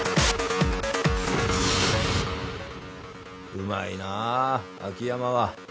うまいなぁ秋山は。